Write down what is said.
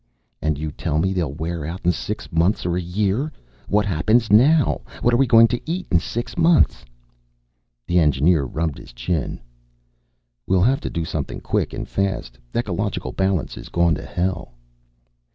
"And you tell me they'll wear out in six months or a year. What happens now? What are we going to eat in six months?" The engineer rubbed his chin. "We'll have to do something quick and fast. Ecological balance is gone to hell."